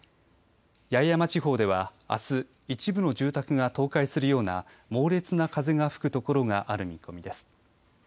八重山地方ではあす一部の住宅が倒壊するような猛烈な風が降るところがある見込みです。